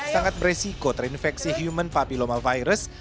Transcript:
sangat beresiko terinfeksi human papillomavirus